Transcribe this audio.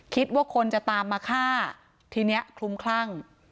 คิดว่าคนจะตามมาฆ่าทีนี้คลุมคลั่ง